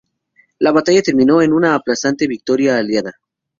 La batalla terminó en una aplastante victoria aliada.